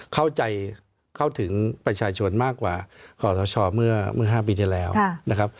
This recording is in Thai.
เข้าใจเข้าถึงประชาชนมากกว่าขอสชเมื่อ๕ปีที่แล้วนะครับ